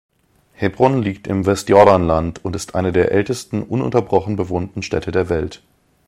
Hebron liegt im Westjordanland und ist eine der ältesten ununterbrochen bewohnten Städte der Welt.